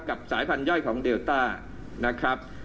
สายพันธย่อยของเดลต้านะครับ